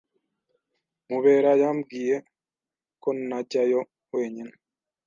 Mubera yambwiye ko ntajyayo wenyine.